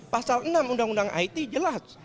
pasal enam undang undang it jelas